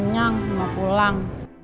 gak kenyang mau pulang